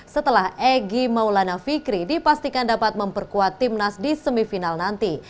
setelah egy maulana fikri dipastikan dapat memperkuat timnas di semifinal nanti